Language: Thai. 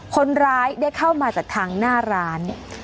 คนร้ายได้เข้ามาจากทางหน้าร้าน